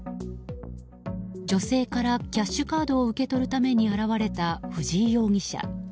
女性からキャッシュカードを受け取るために現れた、藤井容疑者。